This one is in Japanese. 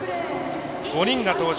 ５人が登場。